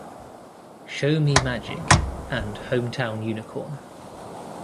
Show Me Magic" and "Hometown Unicorn".